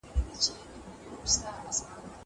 زه به مېوې خوړلې وي!!